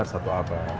sudah satu abad